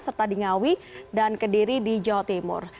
serta di ngawi dan kediri di jawa timur